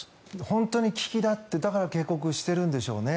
本当に危機だって、だから警告しているんでしょうね。